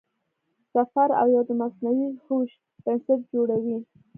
صفر او یو د مصنوعي هوښ بنسټ جوړوي.